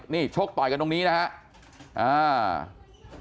นี่ชกต่อยกันตรงนี้นะครับ